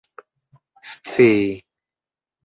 scii